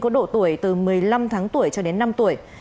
có độ tuổi từ một mươi năm tháng tuổi cho đến năm tuổi